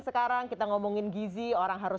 sekarang kita ngomongin gizi orang harus